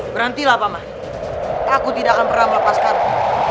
berhenti paman aku tidak akan pernah melepaskanmu